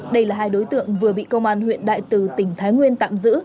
đây là hai đối tượng vừa bị công an huyện đại từ tỉnh thái nguyên tạm giữ